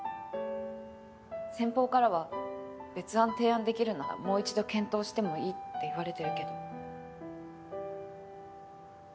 先方からは別案提案できるならもう一度検討してもいいって言われてるけど。